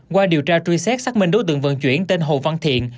qua điều tra truy xét xác minh đối tượng vận chuyển tên hồ văn thiện